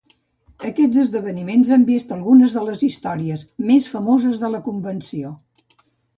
Aquests esdeveniments han vist algunes de les històries més famoses de la Convenció.